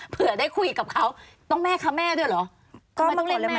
เผื่อได้คุยกับเขาต้องแม่ค้าแม่ด้วยเหรอ